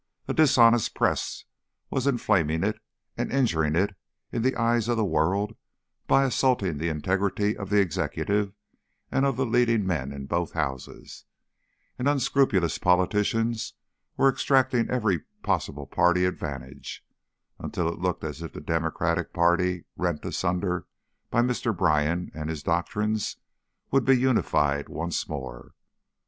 A dishonest press was inflaming it and injuring it in the eyes of the world by assaulting the integrity of the Executive and of the leading men in both Houses; and unscrupulous politicians were extracting every possible party advantage, until it looked as if the Democratic party, rent asunder by Mr. Bryan and his doctrines, would be unified once more.